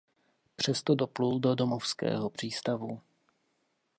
Přesto doplul do domovského přístavu.